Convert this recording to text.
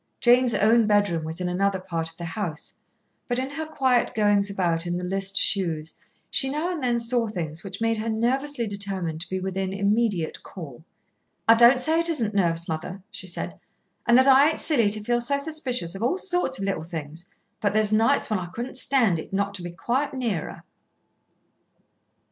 Jane's own bedroom was in another part of the house, but in her quiet goings about in the list shoes she now and then saw things which made her nervously determined to be within immediate call. "I don't say it isn't nerves, mother," she said, "and that I ain't silly to feel so suspicious of all sorts of little things, but there's nights when I couldn't stand it not to be quite near her."